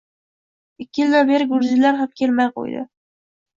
Ikki yildan beri gruzinlar ham kelmay qo‘ydi.